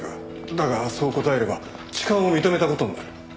だがそう答えれば痴漢を認めた事になる。